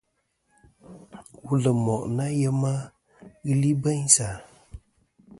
Wul ɨ moʼ ɨ nà yema, ghelɨ bêynsì a.